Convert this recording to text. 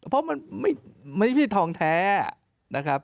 เพราะมันไม่ใช่ทองแท้นะครับ